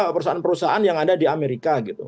perusahaan perusahaan yang ada di amerika gitu